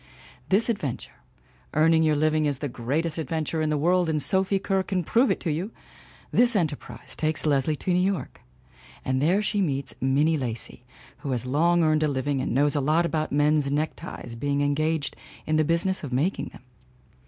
This adventure earning your living is the greatest adventure in the world and Sophie Kerr can prove it to you! this enterprise takes Leslie to New York. SOPHIE KERR 233 And there she meets Minnie Lacy who has long earned a living and knows a lot about men's neckties, being engaged in the business of making them.